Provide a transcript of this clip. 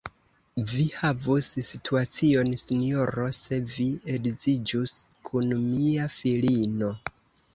Vi havus situacion, sinjoro, se vi edziĝus kun mia filino.